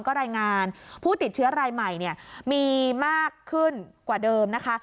ก็รายงานผู้ติดเชื้อรายใหม่มีมากขึ้นกว่าเดิมนะคะ